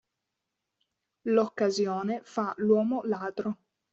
L'occasione fa l'uomo ladro.